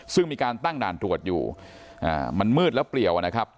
ซึ่งมีการตั้งด่านตรวจอยู่มันมืดแล้วเปลี่ยวนะครับ